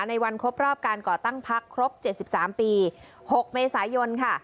ในวันครบรอบการก่อตั้งพักครบเจ็ดสิบสามปีหกเมษายนค่ะ